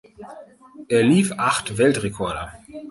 Er lief acht Weltrekorde.